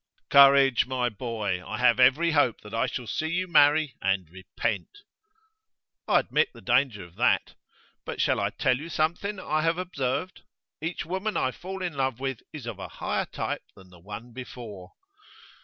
'Courage, my boy! I have every hope that I shall see you marry and repent.' 'I admit the danger of that. But shall I tell you something I have observed? Each woman I fall in love with is of a higher type than the one before.